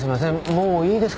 もういいですかね？